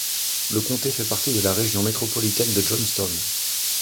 Le comté fait partie de la région métropolitaine de Johnstown.